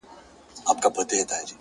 هوډ د ناامیدۍ ورېځې لرې کوي